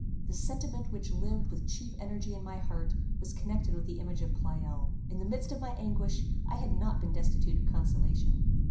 The sentiment which lived with chief energy in my heart, was connected with the image of Pleyel. In the midst of my anguish, I had not been destitute of consolation.